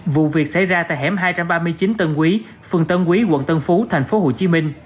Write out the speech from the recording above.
vụ việc xảy ra tại hẻm hai trăm ba mươi chín tân quý phường tân quý quận tân phú tp hcm